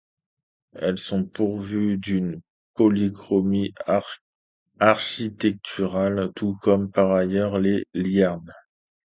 Elles sont pourvues d'une polychromie architecturale, tout comme par ailleurs les liernes.